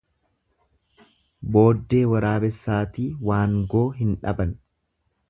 Booddee waraabessaatii waangoo hin dhaban.